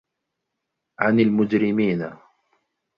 عَنِ المُجرِمينَ